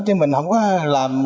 chứ mình không có làm